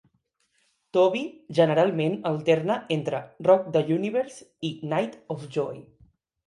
Toby generalment alterna entre Rock the Universe i Night of Joy.